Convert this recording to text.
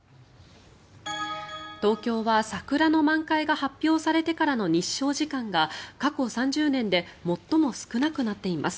東京は桜の満開が発表されてからの日照時間が過去３０年で最も少なくなっています。